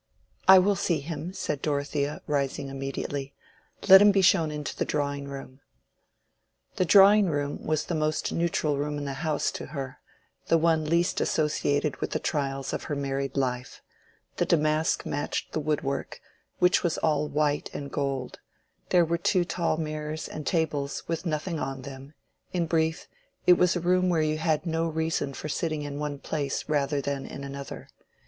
"I will see him," said Dorothea, rising immediately. "Let him be shown into the drawing room." The drawing room was the most neutral room in the house to her—the one least associated with the trials of her married life: the damask matched the wood work, which was all white and gold; there were two tall mirrors and tables with nothing on them—in brief, it was a room where you had no reason for sitting in one place rather than in another.